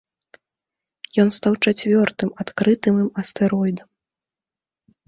Ён стаў чацвёртым адкрытым ім астэроідам.